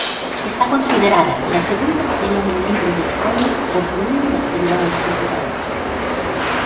Está considerada la segunda feria del libro de España por volumen de actividades culturales.